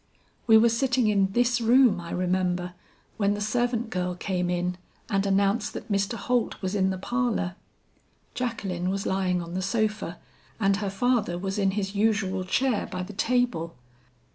We were sitting in this room I remember, when the servant girl came in, and announced that Mr. Holt was in the parlor. Jacqueline was lying on the sofa, and her father was in his usual chair by the table.